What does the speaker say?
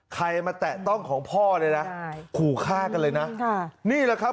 ใครมาแตะต้องของพ่อเลยนะขู่ฆ่ากันเลยนะค่ะนี่แหละครับ